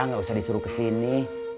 gak usah disuruh kesini